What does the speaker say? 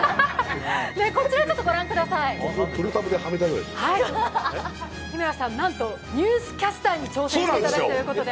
こちらご覧ください、日村さん、なんとニュースキャスターに挑戦していただけるということで。